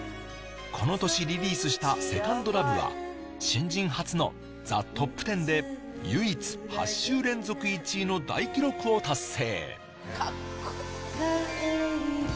この年リリースした『セカンド・ラブ』は新人初の『ザ・トップテン』で唯一８週連続１位の大記録を達成